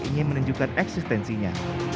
ingin menunjukkan eksistensinya